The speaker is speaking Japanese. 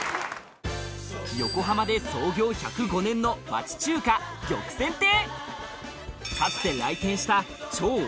横浜で創業１０５年の町中華玉泉亭